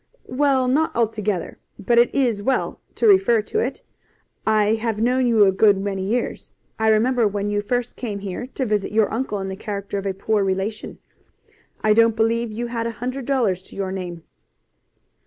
"Well, not altogether, but it is as well to refer to it. I have known you a good many years. I remember when you first came here to visit your uncle in the character of a poor relation. I don't believe you had a hundred dollars to your name."